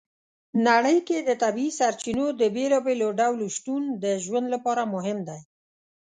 نړۍ کې د طبیعي سرچینو د بېلابېلو ډولو شتون د ژوند لپاره مهم دی.